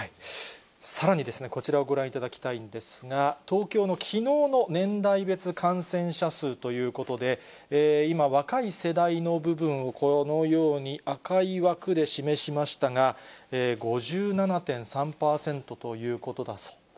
さらにこちらをご覧いただきたいんですが、東京のきのうの年代別感染者数ということで、今、若い世代の部分をこのように赤い枠で示しましたが、５７．３％ということだと。